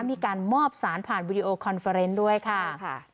มีการมอบสารผ่านวิดีโอด้วยค่ะค่ะ